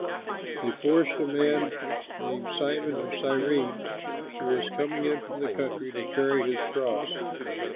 They forced a man named Simon, of Cyrene, who was coming in from the country, to carry his cross.